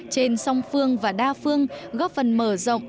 trên song phương và đa phương góp phần mở rộng